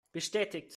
Bestätigt!